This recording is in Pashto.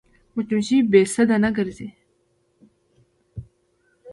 مچمچۍ بې سده نه ګرځي